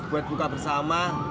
buat buka bersama